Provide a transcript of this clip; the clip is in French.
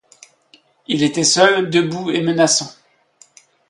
Il était seul debout et menaçant.